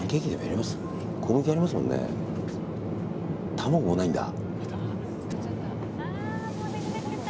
卵もうないんだ。